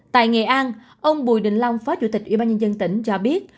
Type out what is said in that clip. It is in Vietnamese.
tại nghệ an ông bùi đình long phó chủ tịch ủy ban nhân dân tỉnh cho biết